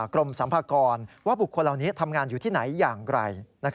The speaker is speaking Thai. กรมสัมภากรว่าบุคคลเหล่านี้ทำงานอยู่ที่ไหนอย่างไร